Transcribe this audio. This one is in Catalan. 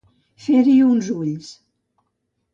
Fer-hi uns ulls.